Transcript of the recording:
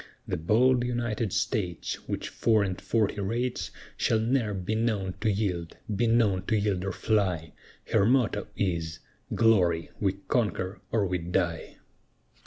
The bold United States, Which four and forty rates, Shall ne'er be known to yield be known to yield or fly, Her motto is "Glory! we conquer or we die."